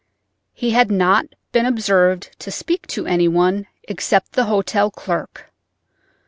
He had not been observed to speak to anyone except the hotel clerk.